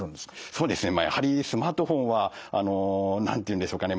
そうですねやはりスマートフォンはあの何というんでしょうかね